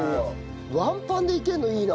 ワンパンでいけるのいいな。